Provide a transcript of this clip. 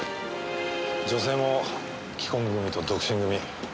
女性も既婚組と独身組。